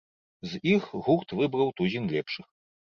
З іх гурт выбраў тузін лепшых.